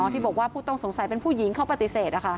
ที่บอกว่าผู้ต้องสงสัยเป็นผู้หญิงเขาปฏิเสธ